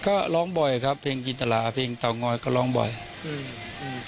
ก็ร้องบ่อยครับเพลงจินตราเพลงเตางอยก็ร้องบ่อยอืม